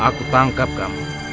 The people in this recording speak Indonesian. aku tangkap kamu